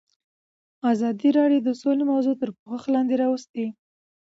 ازادي راډیو د سوله موضوع تر پوښښ لاندې راوستې.